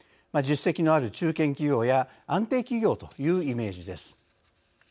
実績のある中堅企業や安定企業というイメージです。